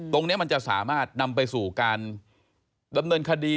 ตรงนี้มันจะสามารถนำไปสู่การดำเนินคดี